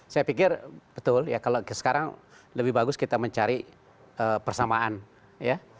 saya pikir betul ya kalau sekarang lebih bagus kita mencari persamaan ya